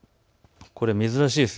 これは珍しいです。